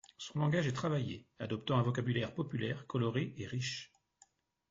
Son langage est travaillé, adoptant un vocabulaire populaire, coloré et riche.